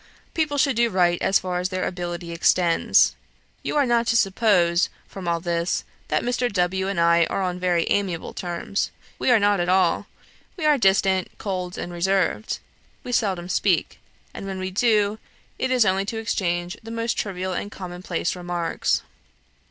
People should do right as far as their ability extends. You are not to suppose, from all this, that Mr. W. and I are on very amiable terms; we are not at all. We are distant, cold, and reserved. We seldom speak; and when we do, it is only to exchange the most trivial and common place remarks."